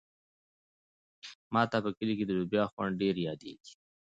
ما ته په کلي کې د لوبیا خوند ډېر یادېږي.